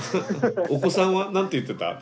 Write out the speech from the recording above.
お子さんは何て言ってた？